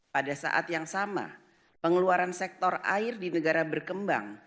pada saat yang sama pengeluaran sektor air di negara berkembang